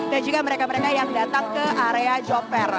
dan juga mereka mereka yang datang ke area job fair